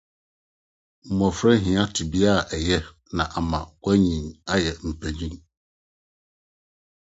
Mmofra hia tebea a eye na ama wɔanyin ayɛ mpanyin.